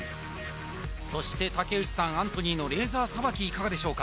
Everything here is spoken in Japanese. そして竹内さんアントニーのレーザーさばきいかがでしょうか？